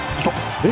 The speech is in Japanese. えっ？